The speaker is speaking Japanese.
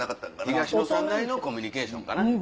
東野さんなりのコミュニケーションかな。